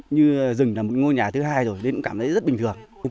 như rừng là một ngôi nhà thứ hai rồi nên cũng cảm thấy rất bình thường